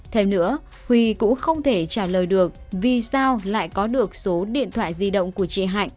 theo nữa huy cũng không thể trả lời được vì sao lại có được số điện thoại di động của chị hạnh